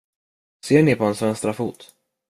Ser ni på hans vänstra fot?